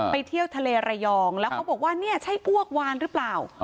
เที่ยวทะเลระยองแล้วเขาบอกว่าเนี่ยใช่อ้วกวานหรือเปล่า